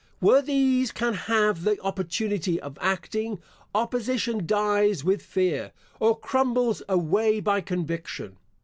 Where these can have the opportunity of acting, opposition dies with fear, or crumbles away by conviction.